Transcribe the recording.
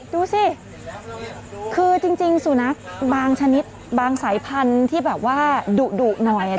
ดูสิคือจริงสุนัขบางชนิดบางสายพันธุ์ที่แบบว่าดุหน่อย